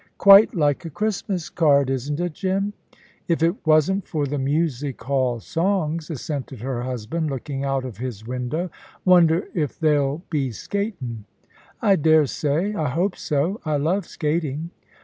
"Quite like a Christmas card, isn't it, Jim?" "If it wasn't for the music hall songs," assented her husband, looking out of his window. "Wonder if there'll be skatin'." "I daresay. I hope so. I love skating."